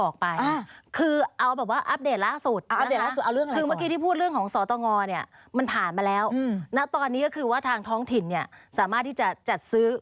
คือถ้ามันถูกลากออกมาขนาดนี้คะตั้งสตินิดหนึ่ง